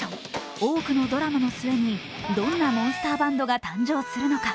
多くのドラマの末にどんなモンスターバンドが誕生するのか。